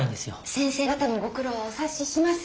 先生方のご苦労はお察しします。